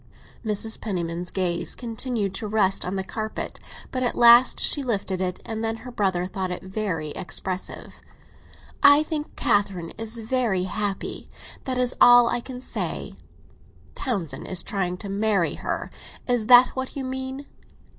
Mrs. Penniman's gaze continued to rest on the carpet; but at last she lifted it, and then her brother thought it very expressive. "I think Catherine is very happy; that is all I can say." "Townsend is trying to marry her—is that what you mean?"